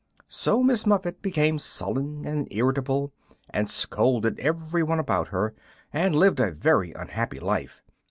So Miss Muffet became sullen and irritable, and scolded everyone about her, and lived a very unhappy life.